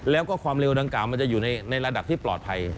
แล้วก็ความเร็วดังกล่ามันจะอยู่ในระดับที่ปลอดภัย